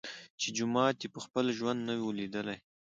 چي جومات یې په خپل ژوند نه وو لیدلی